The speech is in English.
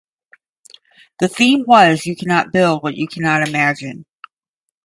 The theme was "you cannot build what you cannot imagine".